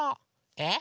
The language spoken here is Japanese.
えっ？